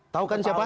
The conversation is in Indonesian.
tau kan siapa